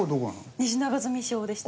西長住小でした。